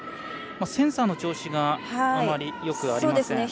センサーの調子があまりよくありません。